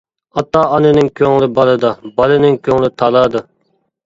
-ئاتا-ئانىنىڭ كۆڭلى بالىدا، بالىنىڭ كۆڭلى تالادا.